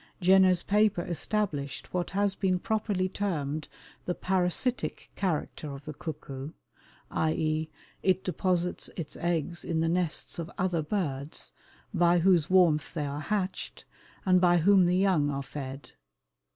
Jenner's paper established what has been properly termed the "parasitic" character of the cuckoo, i. e., it deposits its eggs in the nests of other birds, by whose warmth they are hatched, and by whom the young are fed.